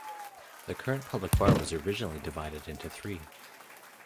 The current public bar was originally divided into three.